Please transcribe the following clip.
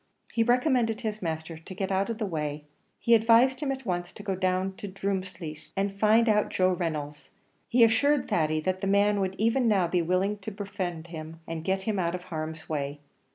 He recommended his master to get out of the way; he advised him at once to go down to Drumleesh and find out Joe Reynolds; he assured Thady that the man would even now be willing to befriend him and get him out of harm's way.